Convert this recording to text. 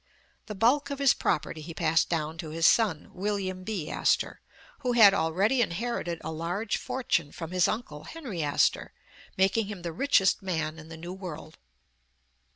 The bulk of his property he passed down to his son, William B. Astor, who had already inherited a large fortune from his uncle Henry Astor, making him the richest man in the new world.